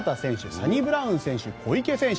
サニブラウン選手、小池選手。